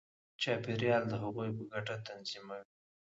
چاپېریال د هغوی په ګټه تنظیموي.